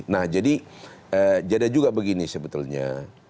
nah jadi juga begini sebetulnya